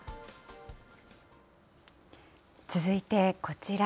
続いてこちら。